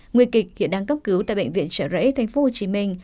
nguy kịch hiện đang cấp cứu tại bệnh viện trở rẫy thành phố hồ chí minh